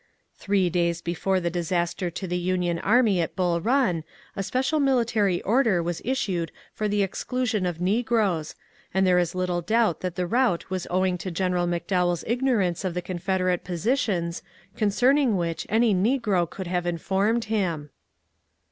Three days before the disaster to the Union army at Bull Run a special mili tary order was issued for the exclusion of negroes, and there is Uttle doubt that the rout was owing to General McDowell's ignorance of the Confederate positions, concerning which any negro could have informed him.